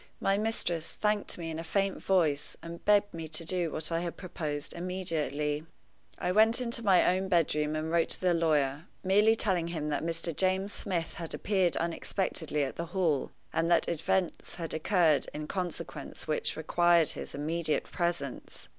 My mistress thanked me in a faint voice, and begged me to do what I had proposed immediately. I went into my own bedroom and wrote to the lawyer, merely telling him that Mr. James Smith had appeared unexpectedly at the Hall, and that events had occurred in consequence which required his immediate presence.